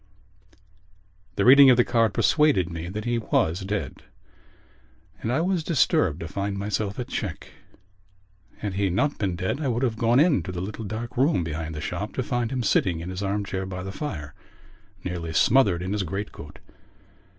_ The reading of the card persuaded me that he was dead and I was disturbed to find myself at check. Had he not been dead I would have gone into the little dark room behind the shop to find him sitting in his arm chair by the fire, nearly smothered in his great coat.